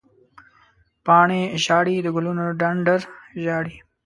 پاڼې ژاړې، د ګلونو ډنډر ژاړې